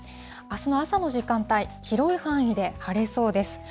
あすの朝の時間帯、広い範囲で晴れそうです。